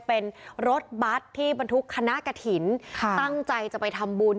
เป็นรถบัตรที่บรรทุกคณะกระถิ่นตั้งใจจะไปทำบุญ